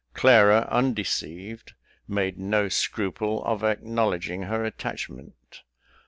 Clara, undeceived, made no scruple of acknowledging her attachment.